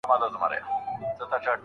ورزش کول پر ځان باور زیاتوي.